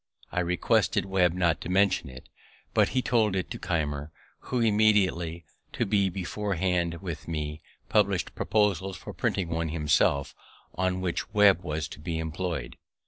I requested Webb not to mention it; but he told it to Keimer, who immediately, to be beforehand with me, published proposals for printing one himself, on which Webb was to be employ'd.